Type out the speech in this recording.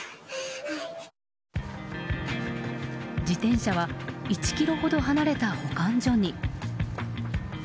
自転車は１ｋｍほど離れた保管所に。